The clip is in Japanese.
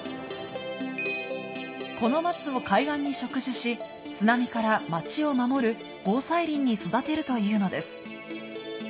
この松を海岸に植樹し津波から町を守る防災林に育てるというのです。